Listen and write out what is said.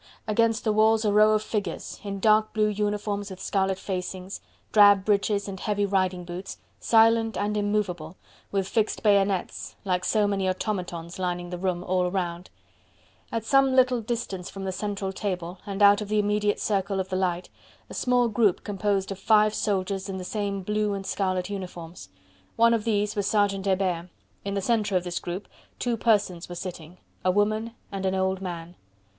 Against the walls a row of figures in dark blue uniforms with scarlet facings, drab breeches and heavy riding boots, silent and immovable, with fixed bayonets like so many automatons lining the room all round; at some little distance from the central table and out of the immediate circle of light, a small group composed of five soldiers in the same blue and scarlet uniforms. One of these was Sergeant Hebert. In the centre of this group two persons were sitting: a woman and an old man.